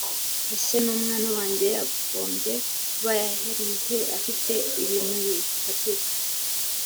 Ese n’umwana wanjye yagombye kuba yarize afite ibintu bifatika